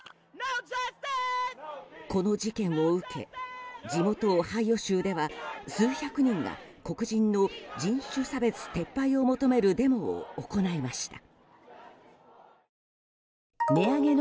この事件を受け地元オハイオ州では数百人が黒人の人種差別撤廃を求めるデモを行いました。